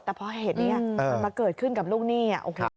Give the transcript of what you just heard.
แต่พอเหตุนี้มันมาเกิดขึ้นกับลูกหนี้โอ้โห